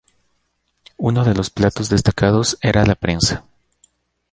Uno de los platos destacados era la "prensa".